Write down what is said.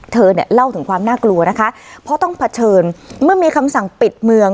เธอเนี่ยเล่าถึงความน่ากลัวนะคะเพราะต้องเผชิญเมื่อมีคำสั่งปิดเมือง